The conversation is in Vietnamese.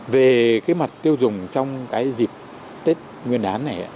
về cái mặt tiêu dùng trong cái dịp tết nguyên đán này